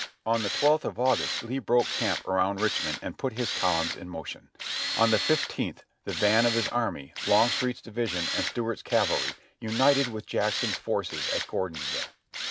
On the twelfth of August Lee broke camp around Richmond and put his columns in motion. On the fifteenth the van of his THE ADVANCE 233 army, Longstreet's division and Stuart's cavalry, united with Jackson's forces at Gordonsville.